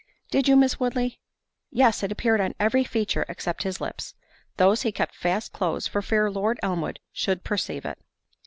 "Did you, Miss Woodley?" "Yes; it appeared on every feature except his lips; those he kept fast closed, for fear Lord Elmwood should perceive it."